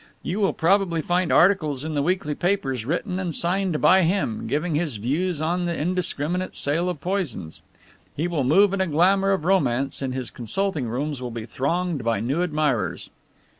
You will probably find articles in the weekly papers written and signed by him, giving his views on the indiscriminate sale of poisons. He will move in a glamour of romance, and his consulting rooms will be thronged by new admirers."